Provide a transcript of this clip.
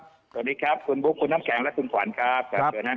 สวัสดีครับคุณบุ๊คคุณน้ำแกงและคุณขวัญครับครับ